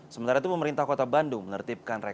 sementara itu pemerintah kota bandung menertibkan